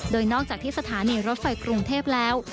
โดยนอกจากที่สถานีรถไฟกรุงเทพแล้ว